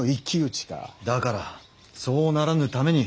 だからそうならぬために。